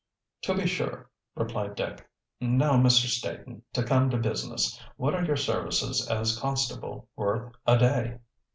"To be sure," replied Dick. "Now, Mr. Staton, to come to business. What are your services as constable worth a day?"